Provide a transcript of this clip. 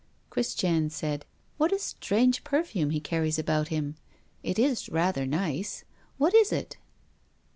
Christiane said: "What a strange perfume he carries about him! It is rather nice. What is it?"